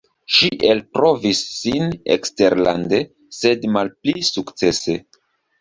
Ŝi elprovis sin eksterlande, sed malpli sukcese.